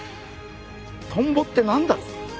トンボって何だろう。